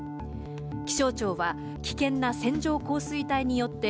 気象庁は、危険な線状降水帯によって、